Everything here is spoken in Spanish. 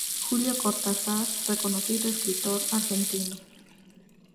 Julio Cortazar, reconocido escritor argentino.